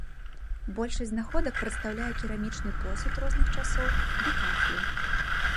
Большасць знаходак прадстаўляе керамічны посуд розных часоў ды кафлю.